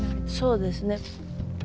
そうですね。